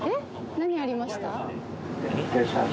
何ありました？